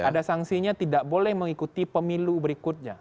ada sanksinya tidak boleh mengikuti pemilu berikutnya